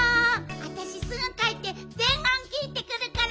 あたしすぐかえってでんごんきいてくるから。